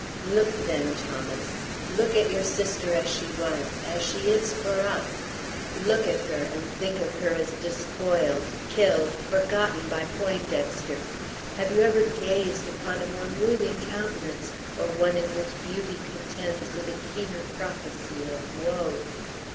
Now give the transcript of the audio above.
Look, then, Thomas. Look at your sister as she was, as she is for us. Look at her, and think of her as despoiled, killed, forgotten by Poindexter. Have you ever gazed upon a more moving countenance, or one in which beauty contends with a keener prophecy of woe?"